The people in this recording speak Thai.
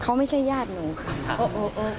เขาไม่ใช่ญาติหนูค่ะ